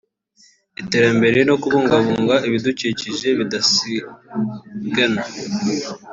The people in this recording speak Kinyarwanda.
iterambere no kubungabunga ibidukikije bidasigana